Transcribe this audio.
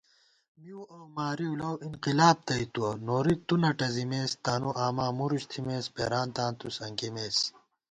مِؤ اؤ مارِؤ لَؤ اِنقلاب تئیتُوَہ نوری تُو نہ ٹزِمېس * تانُوآما مُرُچ تھِمېس بېرانتاں تُوسنکِمېس